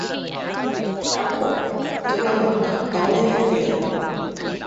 Đau khổ quá, trong lòng muốn khóc to lên thành tiếng